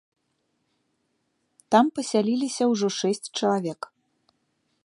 Там пасяліліся ўжо шэсць чалавек.